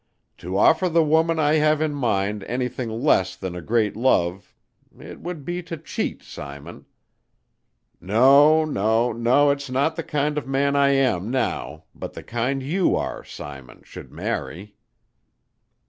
To offer the woman I have in mind anything less than a great love it would be to cheat, Simon. No, no, no it's not the kind of a man I am now, but the kind you are, Simon, should marry."